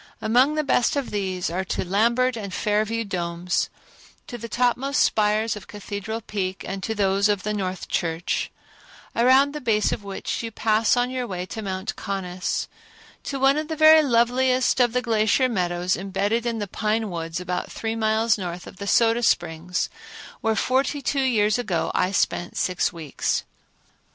Among the best of these are to Lambert and Fair View Domes; to the topmost spires of Cathedral Peak, and to those of the North Church, around the base of which you pass on your way to Mount Conness; to one of the very loveliest of the glacier meadows imbedded in the pine woods about three miles north of the Soda Springs, where forty two years ago I spent six weeks.